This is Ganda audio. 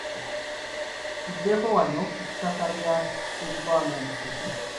Tuddeko wano ku ttaka lya Sseggwanga Musota